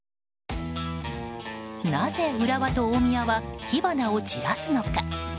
なぜ、浦和と大宮は火花を散らすのか。